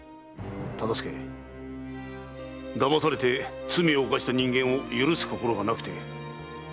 忠相だまされて罪を犯した人間を許す心がなくて何の将軍ぞ。